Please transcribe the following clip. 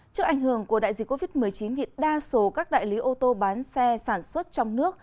trước ảnh hưởng của đại dịch covid một mươi chín đa số các đại lý ô tô bán xe sản xuất trong nước